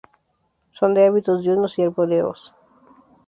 Son de hábitos diurnos y arbóreos.